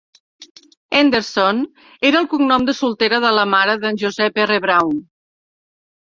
Henderson era el cognom de soltera de la mare d'en Joseph R. Brown.